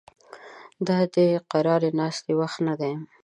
دا د قرارې ناستې وخت نه دی